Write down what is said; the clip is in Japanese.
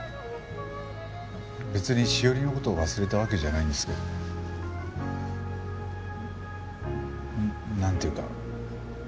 別に史織の事を忘れたわけじゃないんですけど。なんていうか。